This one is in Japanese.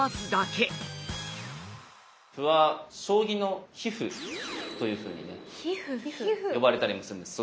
歩は将棋の皮ふというふうにね呼ばれたりもするんです。